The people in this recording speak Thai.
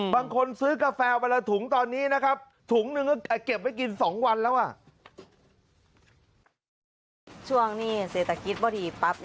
บางคนซื้อกาแฟไปละถุงตอนนี้นะครับ